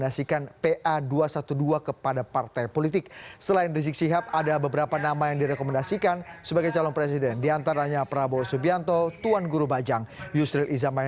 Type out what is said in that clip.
daripada kepentingan yaitu membela kehormatan agama membela kehormatan daripada ulama